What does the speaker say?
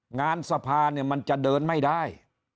งานสภาเนี่ยมันจะเดินไม่ได้